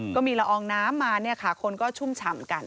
ก็มีละอองน้ำมาเนี่ยค่ะคนก็ชุ่มฉ่ำกัน